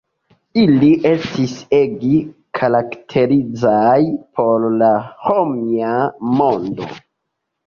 Ili estis ege karakterizaj por la Romia mondo.